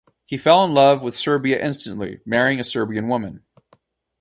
He fell in love with Serbia instantly, marrying a Serbian woman.